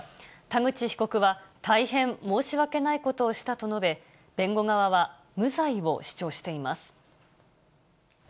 田口被告は大変申し訳ないことをしたと述べ、弁護側は無罪を主張しています。